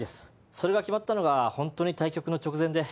それが決まったのがホントに対局の直前で。